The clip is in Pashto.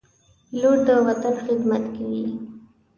پیلوټ د وطن خدمت کوي.